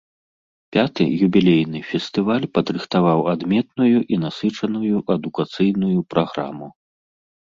Пяты, юбілейны, фестываль падрыхтаваў адметную і насычаную адукацыйную праграму.